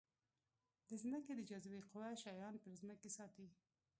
د ځمکې د جاذبې قوه شیان پر ځمکې ساتي.